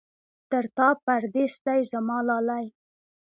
تر تا پردېس دی زما لالی.